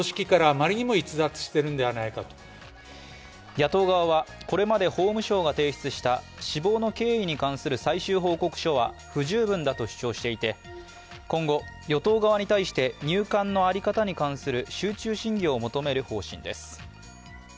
野党側は、これまで法務省が提出した死亡の経緯に関する最終報告書は不十分だと主張していて今後、与党側に対して入管の在り方に関する集中審議を求める方針です。